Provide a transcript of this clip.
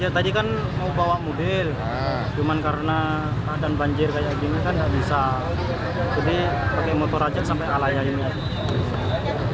tadi kan mau bawa mobil cuma karena ada banjir kayak gini kan gak bisa jadi pakai motor aja sampai alayah ini